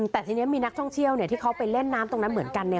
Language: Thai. แต่ทีนี้มีนักท่องเที่ยวที่เขาไปเล่นน้ำตรงนั้นเหมือนกัน